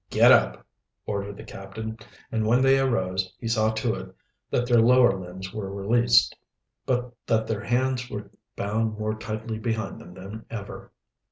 "Get up," ordered the captain, and when they arose he saw to it that their lower limbs were released, but that their hands were bound more tightly behind them than ever.